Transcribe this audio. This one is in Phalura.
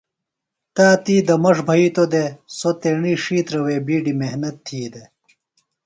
تی تا دمݜ بھیتو دےۡ۔ سوۡ تیݨی ڇھیترہ وے بیڈیۡ محنت تھی دے۔